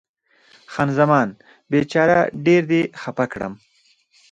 خان زمان: بیچاره، ډېر دې خفه کړم.